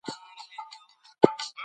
دا چینه تر هغې بلې ډېرې یخې اوبه لري.